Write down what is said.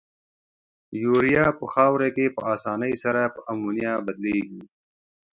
یوریا په خاوره کې په آساني سره په امونیا بدلیږي.